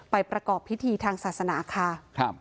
ประกอบพิธีทางศาสนาค่ะ